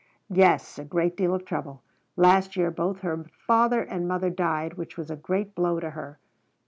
"Yes, a great deal of trouble. Last year both her father and mother died, which was a great blow to her."